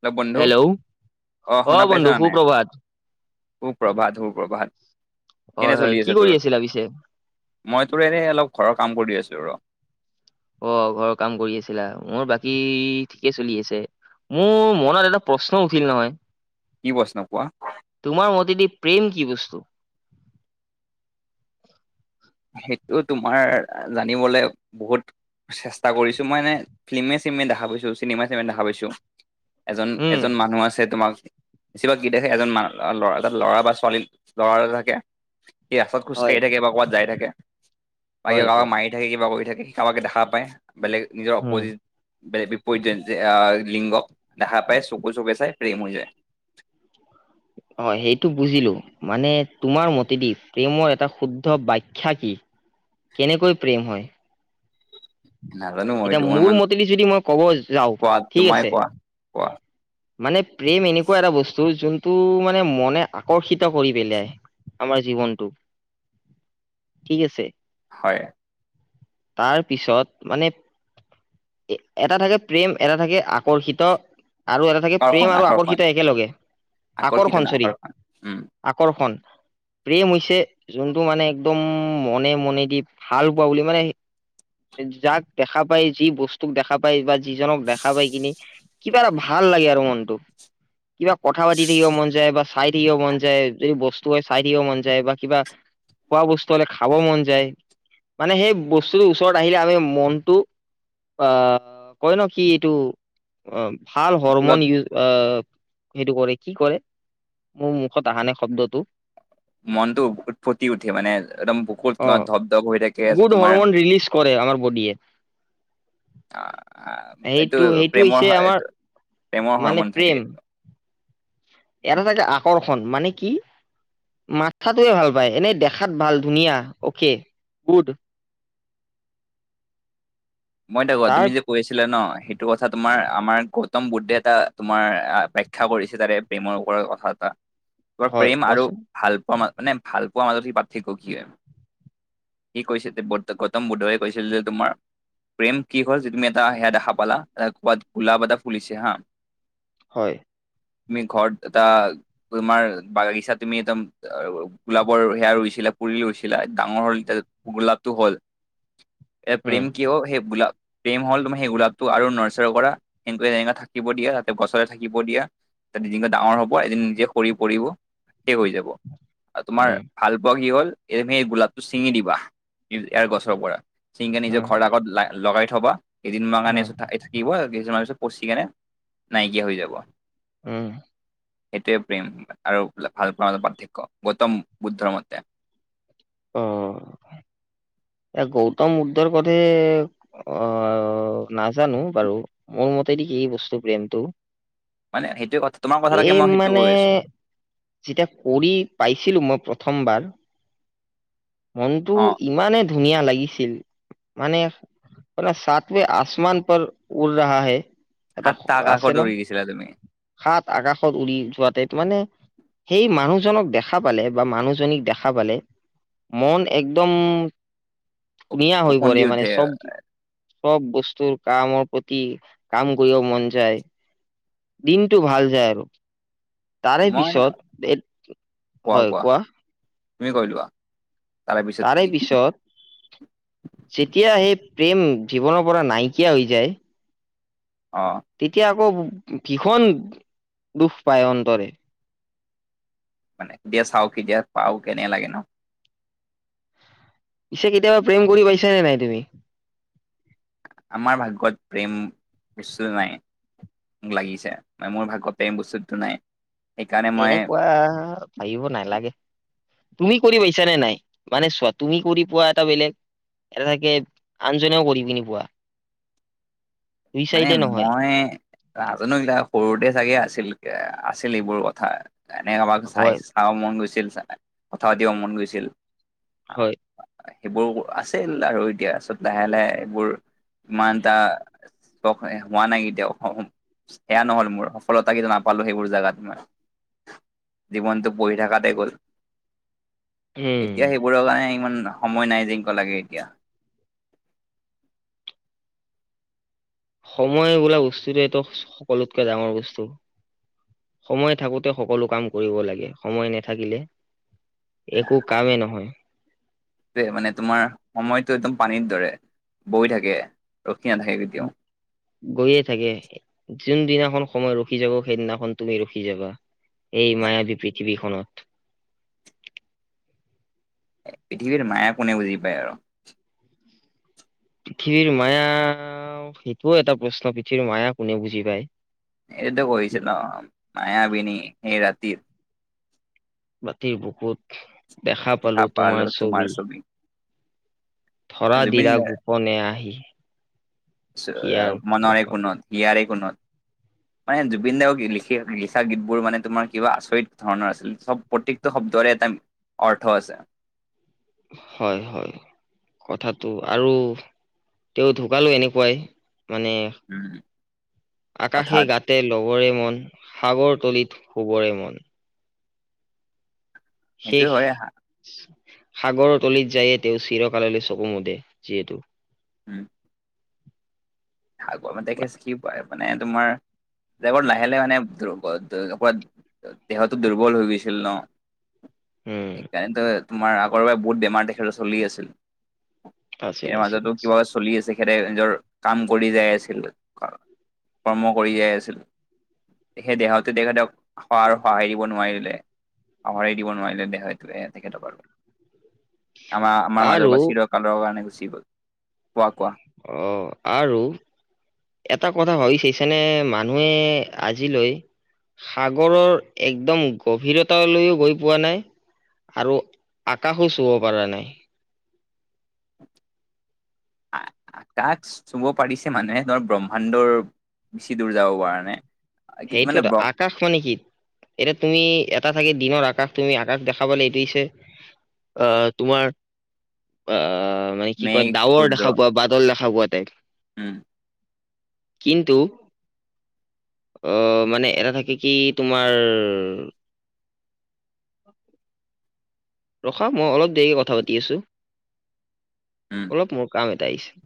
Hello বন্ধু, অ শুনা পাইছে বন্ধু নাই? সুপ্ৰভাত সুপ্ৰভাত সুপ্ৰভাত, হয় কেনে হয় চলি কি আছে কৰি তোৰ? আছিলা পিছে মই তোৰ এনেই অলপ ঘৰৰ কাম কৰি আছো ৰ। অ ঘৰৰ কাম কৰি আছিলা, মোৰ বাকী ঠিকে চলি আছে। মোৰ মনত এটা প্ৰশ্ন উঠিল নহয়? কি প্ৰশ্ন কোৱা? তোমাৰ মতেদি প্ৰেম কি বস্তু? সেইটো তোমাৰ জানিবলে বহুত চেষ্টা কৰিছোঁ, মই এনে ফিল্মে চিমে দেখা পাইছোঁ, চিনেমা দেখা পাইছোঁ। এজন উম এজন মানুহ আছে তোমাৰ বেছিভাগ গীতে এজন মান ল'ৰা এটাত ল'ৰা বা ছোৱালী ল'ৰা এটা থাকে সি ৰাস্তাত হয় খোজকাঢ়ি থাকে, কৰবাত যায় থাকে বা কিবা হয় কাৰোবাক হয় মাৰি থাকে কিবা কৰি থাকে, কাৰোবাকে দেখা পায় বেলেগ নিজৰ উম অপজিত, বেলেগ বিপৰীত যেন লিংগ দেখা পাই, চকু -চকু চাই প্ৰেম হৈ যায়। [unintelligible] অ সেইটো বুজিলো মানে তোমাৰ মতেদি প্ৰেমৰ এটা শুদ্ধ বাখ্যা কি? কেনেকৈ প্ৰেম হয়? নাজানো মই এতিয়া এইটো মোৰ ইমান মতেদি যদি মই ক'ব যাওঁ কোৱা ঠিক আছে তোমাৰে কোৱা কোৱা? মানে প্ৰেম এনেকুৱা এটা বস্তু যোন টো মানে মনে আকৰ্ষিত কৰি পেলাই আমাৰ জীৱনটোক। ঠিক আছে। হয়। তাৰ পিছত মানে এ এটা থাকে প্ৰেম, এটা থাকে আকৰ্ষিত আৰু এটা থাকে আকৰ্ষণ প্ৰেম আৰু আকৰ্ষণ আকৰ্ষিতা একেলগে, আকৰ্ষিত ন আকৰ্ষণ‌ চৰি। আকৰ্ষণ উম আকৰ্ষণ। প্ৰেম হৈছে যোনটো মানে একদম মনে - মনে দি ভাল হোৱা বুলি মানে যাক দেখা পায় যি বস্তুক দেখা পায় বা যিজনক দেখা পাই কিনি কিবা এটা ভাল ভাল লাগে আৰু মনটো। কিবা কথা পাতি থাকিব মন যায় বা চাই থাকিব মন যায় যদি বস্তু হয় চাই থাকিব মন যায় বা কিবা খোৱা বস্তু হ'লে খাব মন যায়। মানে সেই বস্তুটোৰ ওচৰত আহিলে আমি মনটো অ' কয় ন' কি এইটো অ' ভাল হৰমন স্কুলত ইউজ অ' সেইটো কৰে কি কৰে মোৰ মুখত আহা নাই শব্দটো মনতটো উত ফুটি উঠে মানে একদম বকুত অ তোমাৰ ধপ-ধপ হৈ থাকে গুড তোমাৰ হৰমন ৰিলিজ কৰে আমাৰ বডিয়ে। অ' এইটো সেইটো সেইটো হৈছে প্ৰেমৰ এই আমাৰ প্ৰেমৰ মানে হৰমন থাকে প্ৰেম এইটো। এটা থাকে আকৰ্ষণ মানে কি মাথাতোৱে ভাল পায় এনেই দেখাত ভাল ধুনীয়া অকে গুড। [unintelligible] মই [unintelligible] কোৱাত তাৰ তুমি যে কৈ আছিলা ন' সেইটো কথা তোমাৰ আমাৰ ক'ত উত্তম বুদ্ধে এটা তোমাৰ ব্যাখ্যা কৰিছে তাৰে প্ৰেমৰ ওপৰত কথা এটা তোমাৰ হয় প্ৰেম আৰু কোৱাচোন ভাল পোৱা মা মানে ভাল পোৱাৰ মাজত কি পাৰ্থক্য কি হয়। সি কৈছিল গৌতম বুদ্ধয়ে কৈছিল যে তোমাৰ প্ৰেম কি হ'ল যে তুমি এটা সেয়া দেখা পালা এটা ক'ৰবাত গোলাপ এটা ফুলিছে হা হয় তুমি ঘৰত এটা তোমাৰ বাগিচাত তুমি একদম গোলাপৰ সেয়া ৰুইছিলা পুলি ৰুইছিলা ডাঙৰ হ'ল এতিয়া গোলাপটো হ'ল। [unintelligible] এই প্ৰেম কি হয় সেই গোলাপ, প্ৰেম হ'ল তোমাৰ সেই গোলাপটো আৰু নাৰ্চাৰী কৰা এনেকুৱা তেনেকে থাকিব দিয়া তাতে [unintelligible] থাকিব দিয়া তাত এদিনকৈ ডাঙৰ হ'ব এদিন নিজে সৰি পৰিব শেষ হৈ যাব। আৰু তোমাৰ উম ভাল পোৱা কি হ'ল এই তুমি গোলাপটো চিঙি দিবা ইয়াৰ গছৰ পৰা। চিঙি কিনে নিজৰ উম ঘৰৰ আগত ল লগাই থবা কেইদিনমানৰ কাৰণে উম দিব আৰু কেইদিনমানৰ পিছত পচি কেনে নাইকিয়া হৈ যাব। উম সেইটোৱে প্ৰেম আৰু ভালপোৱা মাজত পাৰ্থক্য, গৌতম বুদ্ধৰ মতে। অ' এই গৌতম বুদ্ধৰ [unintelligible] অ' নাজানোঁ বাৰু মোৰ মতেদি কি বস্তু প্ৰেমটো মানে সেইটোৱে কথা তোমাৰ কথা ৰাখি প্ৰেম মই সেইটো মানে কৈ আছোঁ। যেতিয়া কৰি পাইছিলোঁ মই প্ৰথমবাৰ মনটো অ ইমানেই ধুনীয়া লাগিছিল মানে মানে সাতবে আসমান পৰ উড ৰাহা হে। এটা সাতটা আছে ন আকাশত উৰি গৈছিলা তুমি। সাত আকাশত উৰি যোৱাতে এইটো মানে সেই মানুহজনক দেখা পালে বা মানুহজনীক দেখা পালে মন একদম ধুনীয়া হৈ ওফন্দি পৰে মানে উঠে চব চব বস্তুৰ কামৰ প্ৰতি কাম কৰিব মন যায়। দিন দিনটো ভাল যায় আৰু তাৰে মই মানে পিছত, হয় কোৱা তুমি কৈ লোৱা, পিছত তাৰে কি পিছত যেতিয়া সেই প্ৰেম জীৱনৰ পৰা নাইকিয়া হৈ যায় অ' তেতিয়া আকৌ ভীষণ দুখ পায় অন্তৰে। মানে দিয়া চাও কি দিয়া পাওঁ কেনে লাগে ন'। পিছে কেতিয়াবা প্ৰেম কৰি পাইছানে নাই তুমি? আমাৰ ভাগ্যত প্ৰেম বস্তুটো নাই। মোক লাগিছে মানে মোৰ ভাগ্যত প্ৰেম বস্তুটো নাই। সেইকাৰণে মই তেনেকুৱা ভাবিব নালাগে। তুমি কৰি পাইছ নে নাই মানে চোৱা তুমি কৰি পোৱা এটা বেলেগ। এটা থাকে আনজনেও কৰি পিনি পোৱা। দুই মানে চাইডে নহয়। মই নাজানো এইবিলাক সৰুতে চাগে আছিল আছিল এইবোৰ কথা। এনে কাবাক চাই হয় চাব মন গৈছিল কথা পাতিব মন গৈছিল। হয় সেইবোৰ আছিল আৰু এতিয়া চব লাহে লাহে সেইবোৰ ইমান এটা- হোৱা নাই এতিয়া অসম। সেয়া নহল মোৰ সফলতা কিন্তু নাপালো সেইবোৰ জেগাত মই। জীৱনটো পঢ়ি থকাতে গ'ল‌। উম। এতিয়া সেইবোৰৰ কাৰণে ইমান সময় নাই যেনকুৱা লাগে এতিয়া- সময় বোলা বস্তুটো এইটো সকলোতকে ডাঙৰ বস্তু। সময় থাকোতে সকলো কাম কৰিব লাগে সময় নাথাকিলে। একো কামেই নহয়। দে মানে তোমাৰ সময়তটো একদম পানীৰ দৰে বৈ থাকে ৰখি নাথাকে কেতিয়াও গৈয়ে থাকে যোনদিনাখন সময় ৰখি যাব সেইদিনাখন তুমি ৰখি যাবা। এই মায়াবী পৃথিৱীখনত। পৃথিৱীৰ মায়া কোনে বুজি পায় আৰু। পৃথিৱীৰ মায়া সেইটোও এটা প্ৰশ্ন পৃথিৱীৰ মায়া কোনে বুজি পায়। সেইটো কৈছে নে মায়াবিনী এই ৰাতিৰ। ৰাতি বুকুত দেখা পালো তোমাৰ ছবি। ধৰা জুবিন দিলা গাৰ্গ গোপনে আহি। হিয়াৰ মনৰে মুখত কোনত হিয়াৰে কোনত। মানে জুবিনদা লিখি লিখা গীতবোৰ মানে তোমাৰ কিবা আচৰিত ধৰণৰ আছিল চব। প্ৰত্যেকটো শব্দৰে এটা অৰ্থ আছে। হয় হয় কথাটো আৰু। তেওঁ ঢুকালো এনেকুৱাই মানে উম আকাশে অৰ্থাৎ গাত- তে লবৰে মন সাগৰ তলিত শুবৰে মন। শেষ সেইটোয়ে হয় সাগৰৰ তলিত যায়ে তেওঁ চিৰকাললৈ চকু মুদে যিহেতু। উম থাক ম দেখেছছে কি প [unintelligible] মানে তোমাৰ দেহত লাহে লাহে মানে। দেহতো দুৰ্বল হৈ গৈছিল ন। উম স তোমাৰ আগৰ পৰা বহুত বেমাৰ তেখেতৰ চলি আছিল আছিল ইয়াৰ আছিল মাজতো আছিল কিবা- চলি আছে তেখেতে নিজৰ- কাম কৰি যাই আছিল কৰ্ম কৰি যাই আছিল। সেই দেহাটো তেখেতক স আৰু সহায় দিব নোৱাৰিলে। সঁহাৰি দিব নোৱাৰিলে দেহাটোৱে তেখেতক। আমাৰ আমাৰ মাজৰ আৰু পৰা চিৰকালৰ কাৰণে গুচি গল পোৱা কোৱা। অঁ আৰু- এটা কথা ভাবি চাইছানে মানুহে আজিলৈ- সাগৰৰ একদম গভীৰতালৈও গৈ পোৱা নাই। আৰু আকাশো চুব পৰা নাই। আকাশ চুব পাৰিছে মানুহে তোমাৰ ব্ৰহ্মাণ্ডৰ। বেছি দূৰ যাব পৰা নাই। সেইটো মানে এটা আক। আকাশ মানে কি এতিয়া তুমি এটা থাকে দিনৰ আকাশ তুমি আকাশ দেখাবলৈ এইটো হৈছে। আহ তোমাৰ আহ। মানে কি কয় মেঘ ডাৱৰ সূৰ্য দেখা পোৱা বাদল দেখা পোৱা টাইপ। উম। কিন্তু অ মানে এটা থাকে কি তোমাৰ [inaudible] ৰখা, মই অলপ দেৰিকে কথা পাতি আছো। উম অলপ মোৰ কাম এটা আহিছে।